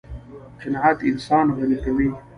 قناعت انسان غني کوي.